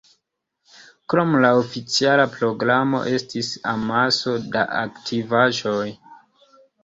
Krom la oficiala programo estis amaso da aktivaĵoj.